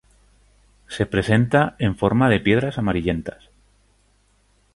Se presenta en forma de piedras amarillentas.